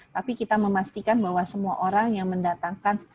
tapi kita memastikan bahwa semua orang yang mendatangkan